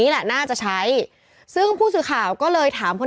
อ่าอ่าอ่าอ่าอ่า